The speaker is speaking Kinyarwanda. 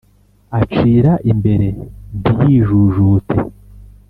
Acira imbere ntiyijujute